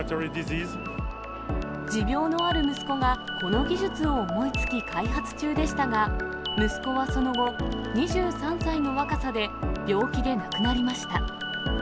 持病のある息子が、この技術を思いつき開発中でしたが、息子はその後、２３歳の若さで病気で亡くなりました。